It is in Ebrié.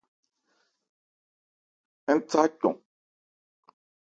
Ń tha cɔn.